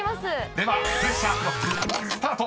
［ではプレッシャークロックスタート！］